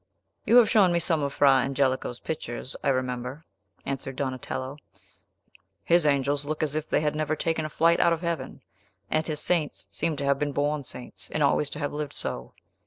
"You have shown me some of Fra Angelico's pictures, I remember," answered Donatello; "his angels look as if they had never taken a flight out of heaven; and his saints seem to have been born saints, and always to have lived so.